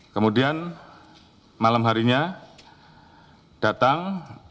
kemudian malam harinya datang